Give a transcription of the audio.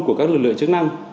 của các lực lượng chức năng